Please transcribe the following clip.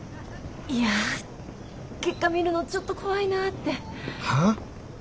いや結果見るのちょっと怖いなって。は？